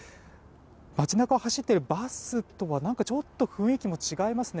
街中を走っているバスとはちょっと雰囲気も違いますね。